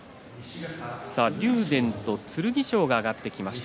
竜電と剣翔が上がってきました。